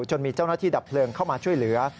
จนมีเจ้าหน้าที่ดับเพลิงเข้ามาช่วยเหลือ